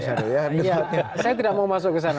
saya tidak mau masuk ke sana